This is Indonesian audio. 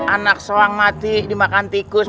anak soang mati dimakan tikus